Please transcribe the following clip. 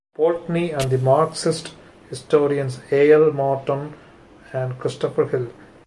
Poultney and the Marxist historians A. L. Morton and Christopher Hill.